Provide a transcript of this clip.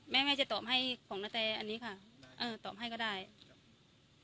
แม่แม่จะตอบให้ของนาแตอันนี้ค่ะเออตอบให้ก็ได้ครับ